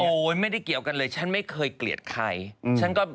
ไม่ได้เกี่ยวกันเลยฉันไม่เคยเกลียดใครฉันก็